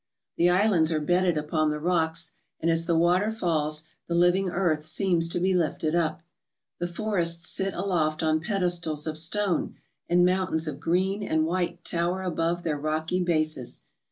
The islands are bedded upon the roi and as the water falls 6 KETCH I KAN the living earth seems to be lifted up. The forests sit aloft on pedestals of stone, and mountains of greerf and white tower above their rocky bases.